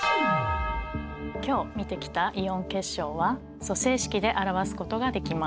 今日見てきたイオン結晶は組成式で表すことができます。